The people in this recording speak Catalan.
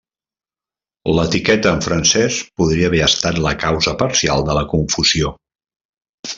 L'etiqueta en francès podria haver estat la causa parcial de la confusió.